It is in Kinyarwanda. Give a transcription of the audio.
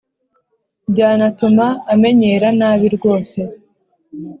Byanatuma amenyera nabi rwose